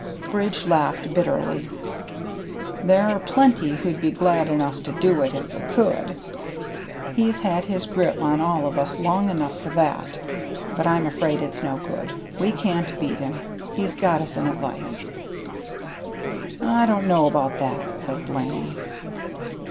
Bridge laughed bitterly. "There are plenty who'd be glad enough to do it if they could. He's had his grip on all of us long enough for that; but I'm afraid it's no good. We can't beat him. He's got us in a vise." "I don't know about that," said Blaney.